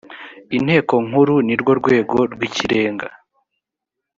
inteko nkuru nirwo rwego rw ikirenga